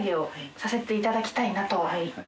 させていただきたいなと。